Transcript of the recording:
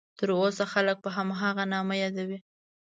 تر اوسه خلک په هماغه نامه یادوي.